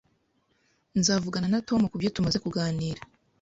Nzavugana na Tom kubyo tumaze kuganira